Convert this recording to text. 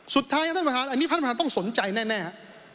สุดท้ายอันนี้ท่านประธานต้องสนใจแน่ครับ